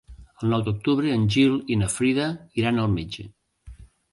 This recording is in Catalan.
El nou d'octubre en Gil i na Frida iran al metge.